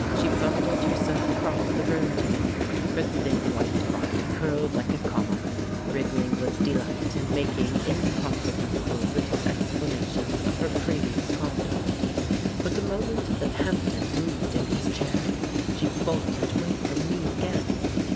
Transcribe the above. She bundled herself across the room to me, her thin white body curled like a comma, wriggling with delight and making incom prehensible little explanations of her previous con duct. But the moment that Hampden moved in his chair, she bolted away from me again.